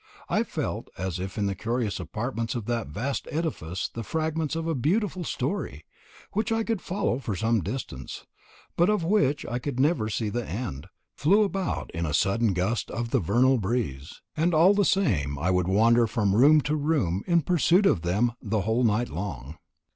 I felt as if in the curious apartments of that vast edifice the fragments of a beautiful story, which I could follow for some distance, but of which I could never see the end, flew about in a sudden gust of the vernal breeze. And all the same I would wander from room to room in pursuit of them the whole night long.